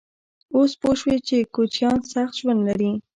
_اوس پوه شوې چې کوچيان سخت ژوند لري؟